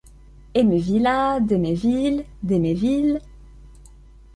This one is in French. Emevilla, Demeville, Demesville.